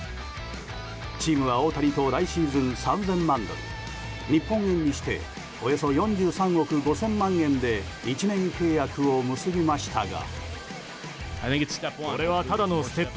チームは大谷と来シーズン３０００万ドル日本円にしておよそ４３億５０００万円で１年契約を結びましたが。